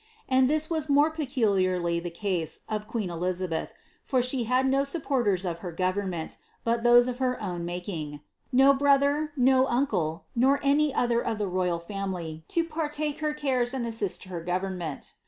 And this was more peculiarly the eise of queen Elizabeth, for she had no supporters of her government, hot those of her own making — no brother, no uncle, nor any other of the royal family to partake her cares and assist her government.